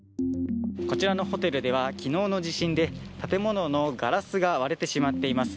こちらのホテルでは昨日の地震で建物のガラスが割れてしまっています。